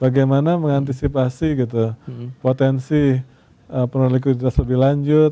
bagaimana mengantisipasi potensi penurunan likuiditas lebih lanjut